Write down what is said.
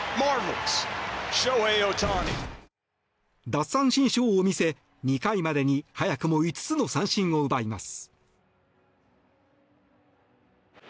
奪三振ショーを見せ２回までに早くも５つの三振を奪います。